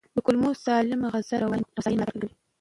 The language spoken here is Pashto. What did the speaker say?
د کولمو سالمه غذا د رواني هوساینې ملاتړ کوي.